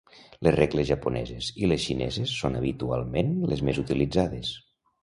Les regles japoneses i les xineses són habitualment les més utilitzades.